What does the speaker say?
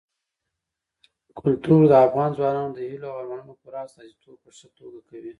کلتور د افغان ځوانانو د هیلو او ارمانونو پوره استازیتوب په ښه توګه کوي.